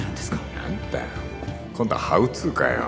何だよ今度はハウツーかよ